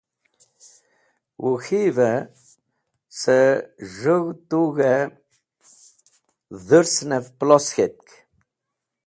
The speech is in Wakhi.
Wuk̃hivẽ cẽ z̃hũg̃ht tug̃hẽ dhũrsẽnev plos k̃het.